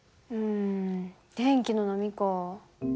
うん電気の波か。